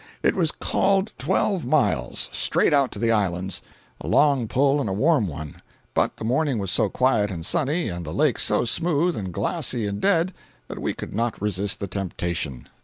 It was called twelve miles, straight out to the islands—a long pull and a warm one—but the morning was so quiet and sunny, and the lake so smooth and glassy and dead, that we could not resist the temptation.